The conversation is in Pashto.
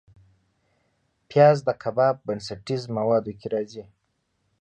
پیاز د کباب بنسټیز موادو کې راځي